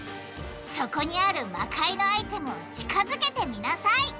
そこにあるの魔界のアイテムを近づけてみなさい！